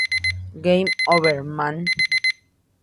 Game Over, Man!